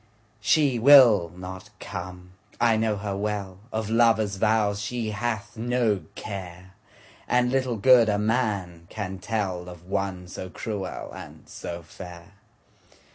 She will not come, I know her well, Of lover's vows she hath no care, And little good a man can tellOf one so cruel and so fair.